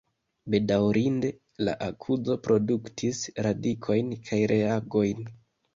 Bedaŭrinde, la akuzo produktis radikojn kaj reagojn.